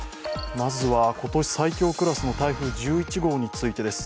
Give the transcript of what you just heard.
まずは、今年最強クラスの台風１１号についてです。